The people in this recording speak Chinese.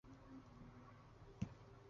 父母亲都是河南望族。